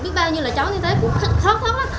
biết bao nhiêu là chó như thế khóc khóc lắm